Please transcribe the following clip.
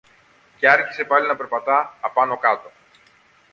Και άρχισε πάλι να περπατά απάνω-κάτω.